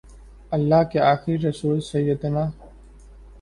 اللہ کے آخری رسول سیدنا